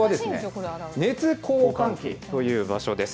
熱交換器という場所です。